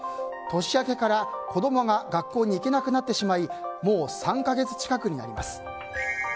年明けから、子供が学校に行けなくなってしまいもう３か月近くになります。